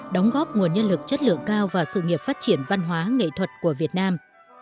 đóng góp nguồn nhân lực chất lượng cao và sự nghiệp phát triển văn hóa nghệ thuật của việt nam